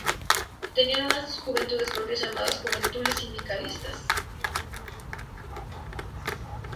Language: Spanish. Tenían unas juventudes propias llamadas Juventudes Sindicalistas.